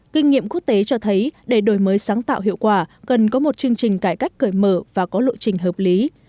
kinh nghiệm quốc tế cho thấy để đổi mới sáng tạo hiệu quả cần có một chương trình cải cách cởi mở và có lộ trình hợp lý